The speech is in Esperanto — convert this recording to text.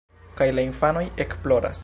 Kaj la infanoj ekploras.